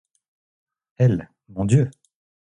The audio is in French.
Elle, mon Dieu!